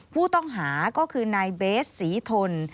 ผู้ต้องหาก็คือนายเบสศรีทน